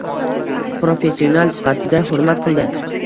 Professional sifatida hurmat qildi.